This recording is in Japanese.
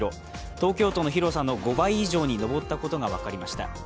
東京都の広さの５倍以上に上ったことが分かりました。